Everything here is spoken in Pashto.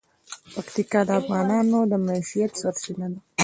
پکتیکا د افغانانو د معیشت سرچینه ده.